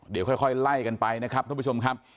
เดี๋ยวค่อยไล่กันไปนะครับท่านผู้ชมครับ